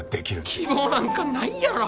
希望なんかないやろ！